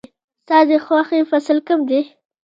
ستا د خوښې فصل کوم دی؟